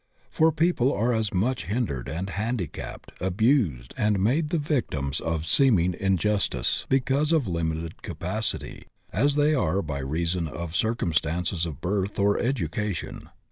For people are as much hin dered and handicapped, abused and made the victims of seeming injustice because of limited capacity, as they are by reason of circumstances of birth or edu cation.